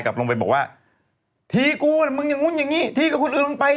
เขาก็เลยแบบออกไป